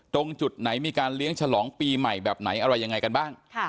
ตรงจุดไหนมีการเลี้ยงฉลองปีใหม่แบบไหนอะไรยังไงกันบ้าง